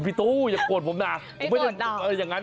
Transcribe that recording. พี่ตู้อย่ากวนผมนะ